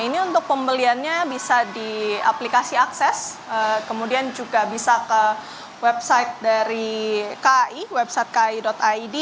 ini untuk pembeliannya bisa di aplikasi akses kemudian juga bisa ke website dari kai website ki id